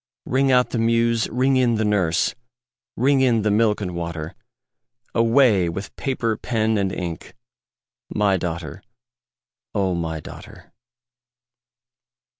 Ring out the muse! ring in the nurse! Ring in the milk and water! Away with paper, pen, and ink My daughter, O my daughter!